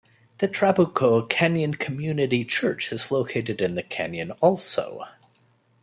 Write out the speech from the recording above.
The Trabuco Canyon Community Church is located in the canyon also.